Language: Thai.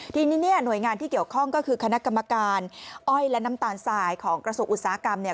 ทีนี้เนี่ยหน่วยงานที่เกี่ยวข้องก็คือคณะกรรมการอ้อยและน้ำตาลสายของกระทรวงอุตสาหกรรมเนี่ย